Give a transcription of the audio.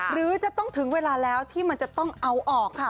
หรือจะต้องถึงเวลาแล้วที่มันจะต้องเอาออกค่ะ